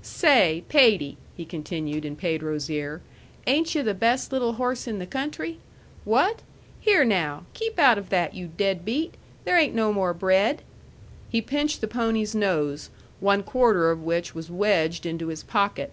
"Say, Pede," he continued, in Pedro's ear, "ain't yu' the best little horse in the country? What? Here, now! Keep out of that, you dead beat! There ain't no more bread." He pinched the pony's nose, one quarter of which was wedged into his pocket.